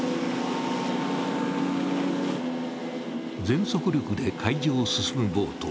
全速力で海上を進むボート。